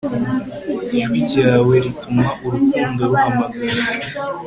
ijwi ryawe rituma urukundo ruhamagara